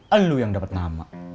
elu yang dapet nama